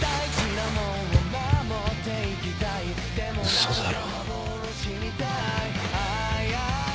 嘘だろ。